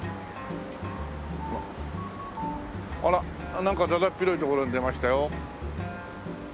あらなんかだだっ広い所に出ましたよ。